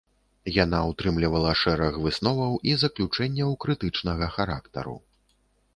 Яна утрымлівала шэраг высноваў і заключэнняў крытычнага характару.